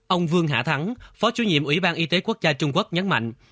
ông vương hạ thắng phó chủ nhiệm ủy ban y tế quốc gia trung quốc nhấn mạnh